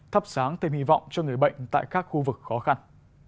thắp sáng thêm hy vọng cho người bệnh tại các khu vực khó khăn